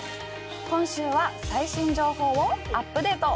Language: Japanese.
今週は、最新情報をアップデート！